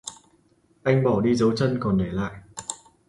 Anh bỏ đi dấu chân còn để lại